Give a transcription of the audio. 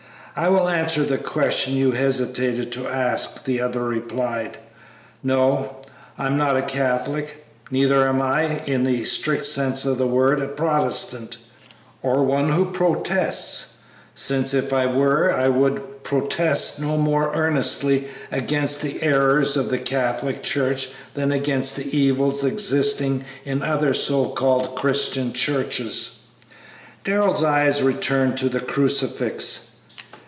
"I will answer the question you hesitate to ask," the other replied; "no, I am not a Catholic; neither am I, in the strict sense of the word, a Protestant, or one who protests, since, if I were, I would protest no more earnestly against the errors of the Catholic Church than against the evils existing in other so called Christian churches." Darrell's eyes returned to the crucifix.